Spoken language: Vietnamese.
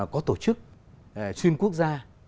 có tổ chức xuyên quốc gia